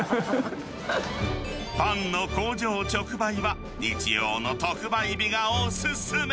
パンの工場直売は、日曜の特売日がお勧め。